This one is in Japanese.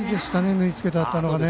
縫い付けてあったのは。